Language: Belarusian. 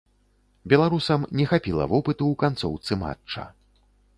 Беларусам не хапіла вопыту ў канцоўцы матча.